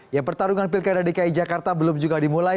ya pertarungan pilkada dki jakarta belum juga dimulai